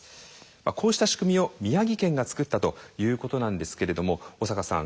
こうした仕組みを宮城県が作ったということなんですけれども小坂さん